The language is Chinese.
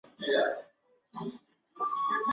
曲目列表